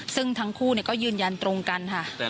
ซึ่งทั้งคู่ก็ยืนยันตรงกันค่ะ